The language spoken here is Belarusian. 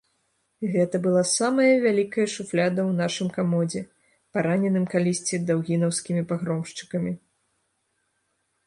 Гэта была самая вялікая шуфляда ў нашым камодзе, параненым калісьці даўгінаўскімі пагромшчыкамі.